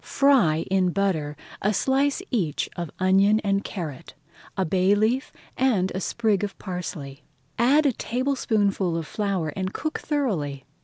Fry in butter a slice each of onion and carrot, a bay leaf, and a sprig of parsley. Add a tablespoonful of flour and cook thoroughly.